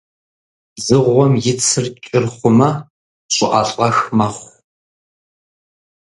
Дзыгъуэм и цыр кӀыр хъумэ, щӀыӀэлӀэх мэхъу.